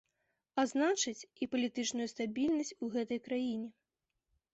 А значыць, і палітычную стабільнасць у гэтай краіне.